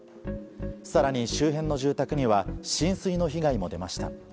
更に、周辺の住宅には浸水の被害も出ました。